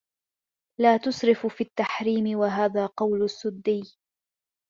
لَا تُسْرِفُوا فِي التَّحْرِيمِ وَهَذَا قَوْلُ السُّدِّيِّ